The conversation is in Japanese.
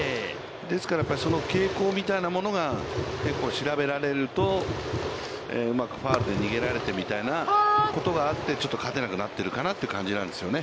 ですから、その傾向みたいなものが結構調べられると、うまくファウルで逃げられてみたいさことがあって、ちょっと勝てなくなっていると。